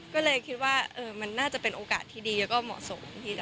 ก็เลยคิดว่ามันน่าจะเป็นโอกาสที่ดีแล้วก็เหมาะสม